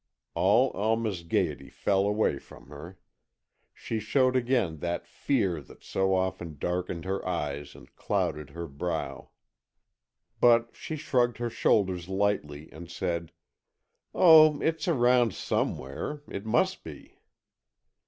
All Alma's gayety fell away from her. She showed again that fear that so often darkened her eyes and clouded her brow. But she shrugged her shoulders lightly, and said, "Oh, it's around somewhere—it must be."